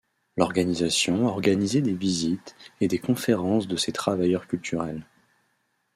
L'organisation a organisé des visites et des conférences de ces travailleurs culturels.